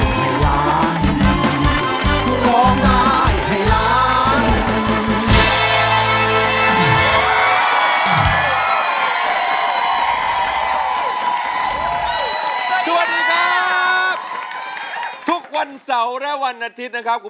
ก็ร้องได้ให้ร้าง